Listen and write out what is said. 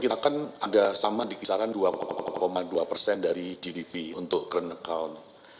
kita kan ada sama di kisaran dua persen dari gdp untuk current account